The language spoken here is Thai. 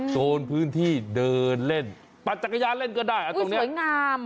โซนพื้นที่เดินเล่นปั่นจักรยานเล่นก็ได้ตรงนี้สวยงาม